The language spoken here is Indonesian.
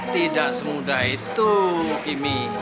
tidak semudah itu kemi